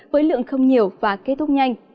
với lượng không nhiều và kết thúc nhanh